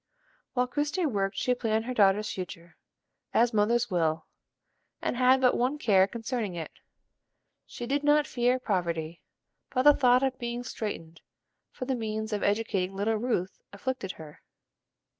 While Christie worked she planned her daughter's future, as mothers will, and had but one care concerning it. She did not fear poverty, but the thought of being straitened for the means of educating little Ruth afflicted her.